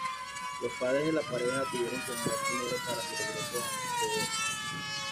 Los padres de la pareja tuvieron que enviar dinero para su regreso a Peoria.